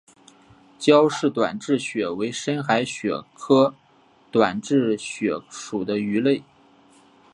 焦氏短稚鳕为深海鳕科短稚鳕属的鱼类。